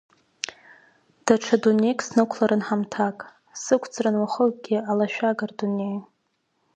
Даҽа дунеик снықәларын ҳамҭак, сықәҵрын уахакгьы алашәага рдунеи.